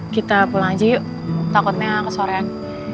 kita pulang aja yuk takutnya ke sorean